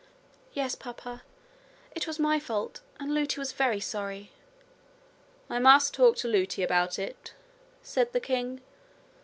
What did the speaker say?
'Yes, papa. It was my fault; and Lootie was very sorry.' 'I must talk to Lootie about it,' said the king.